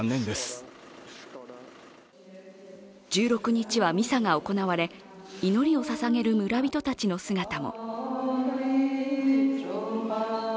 １６日はミサが行われ祈りをささげる村人たちの姿も。